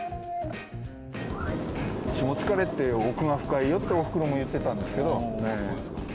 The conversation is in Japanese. しもつかれって奥が深いよとおふくろも言ってたんです。